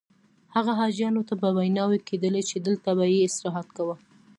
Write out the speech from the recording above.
هغه حاجیانو ته به ویناوې کېدلې چې دلته به یې استراحت کاوه.